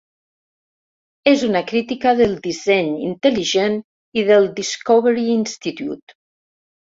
És una crítica del disseny intel·ligent i del Discovery Institute.